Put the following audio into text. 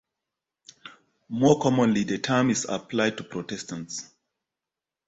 More commonly the term is applied to Protestants.